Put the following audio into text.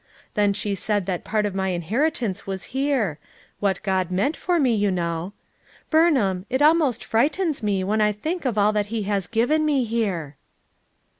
Then she said that part of my inheritance was here; what God meant for me, you know. Burnham, it almost frightens me when I think of all that he has given me, here."